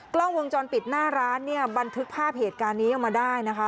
กล้องวงจรปิดหน้าร้านเนี่ยบันทึกภาพเหตุการณ์นี้ออกมาได้นะคะ